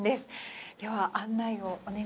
では案内をお願いいたします。